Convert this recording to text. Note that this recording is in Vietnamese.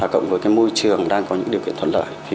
cộng với môi trường đang có những điều kiện thuận lợi